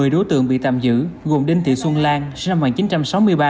một mươi đối tượng bị tạm giữ gồm đinh thị xuân lan sinh năm một nghìn chín trăm sáu mươi ba